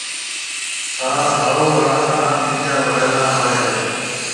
ھان ھاھُو ھاڙا ھان ٻِيجا وائلا ھوئيَ ھيََََ